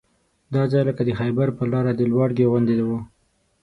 دا ځای لکه د خیبر پر لاره لواړګي غوندې وو.